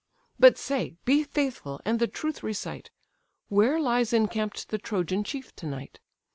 But say, be faithful, and the truth recite! Where lies encamp'd the Trojan chief to night?